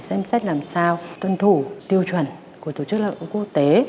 xem xét làm sao tuân thủ tiêu chuẩn của tổ chức lao động quốc tế